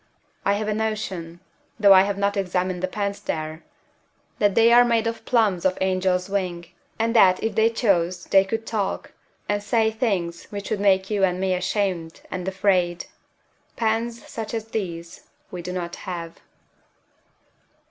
I have a notion though I have not examined the pens there that they are made from plumes of an angel's wing; and that if they chose they could talk, and say things which would make you and me ashamed and afraid. Pens such as these we do not have.